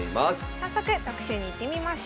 早速特集にいってみましょう。